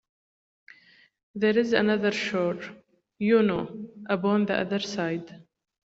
There is another shore, you know, upon the other side.